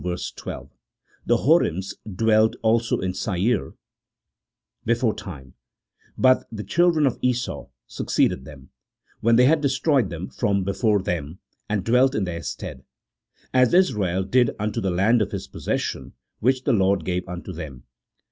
verse 12: " The Horims dwelt also in Seir beforetime ; but the children of Esau succeeded them, when they had destroyed them from before them, and dwelt in their stead ; as Israel did unto the land of his possession, which the Lord gave unto them."